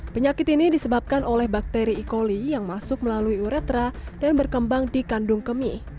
penyakit ini disebabkan oleh bakteri e coli yang masuk melalui uretra dan berkembang di kandung kemih